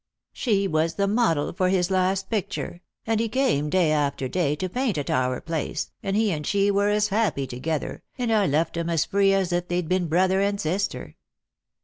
She was the model for his last picture ; and he came day after day to paint at our place, and he and she were as happy together, and I left 'em as free as if they'd been brother and sister.